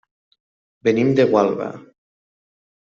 Venim de Gualba.